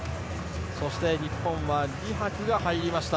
そして日本は李博が入りました。